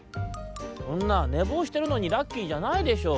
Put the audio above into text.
「そんなねぼうしてるのにラッキーじゃないでしょ！